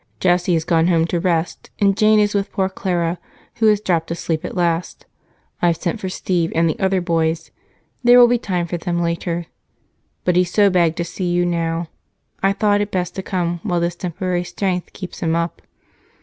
"Jessie has gone home to rest, and Jane is with poor Clara, who has dropped asleep at last. I've sent for Steve and the other boys. There will be time for them later, but he so begged to see you now, I thought it best to come while this temporary strength keeps him up.